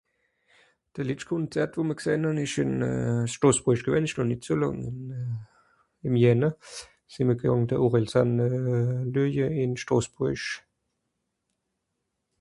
de letscht konzert wo mr gsähn hàn esch in euh strosbùrich gewänn esch gàr nìt so làng euh ìm jäner sìn mr gàng de Orelsan euh lueje ìm strosbùrich